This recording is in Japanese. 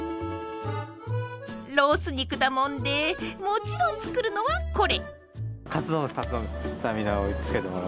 ロース肉だもんでもちろん作るのはこれ！